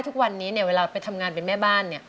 ทุกวันนี้เนี่ยเวลาไปทำงานเป็นแม่บ้าน